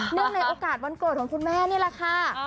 ในโอกาสวันเกิดของคุณแม่นี่แหละค่ะ